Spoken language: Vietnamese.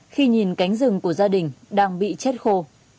khi nhìn cánh rừng của gia đình đang bị chết khô